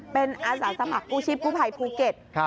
เป็นอาสาสมัครกู้ชีพกู้ภัยภูเก็ต